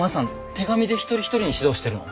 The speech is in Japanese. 手紙で一人一人に指導してるの？